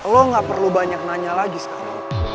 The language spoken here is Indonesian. lo gak perlu banyak nanya lagi sekarang